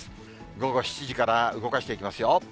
午後７時から動かしていきますよ。